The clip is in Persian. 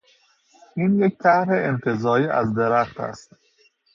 این یک طرح انتزاعی از درخت است